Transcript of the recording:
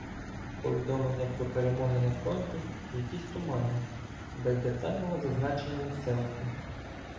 Повідомлення про перемоги на фронті — якісь туманні, без детального зазначення місцевостей.